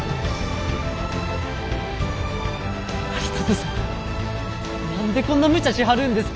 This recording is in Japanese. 有功様何でこんなむちゃしはるんですか！